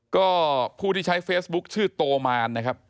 ก็ผู้ที่ใช้เฟซบุ๊คชื่อโตมานนะครับ